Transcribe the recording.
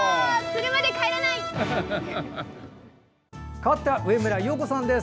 かわっては上村陽子さんです。